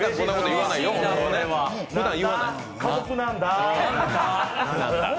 家族なんだ。